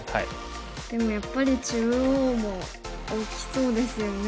でもやっぱり中央も大きそうですよね。